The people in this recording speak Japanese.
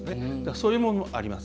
そういうものもあります。